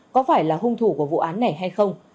có phải là hung thủ của vụ án này hay không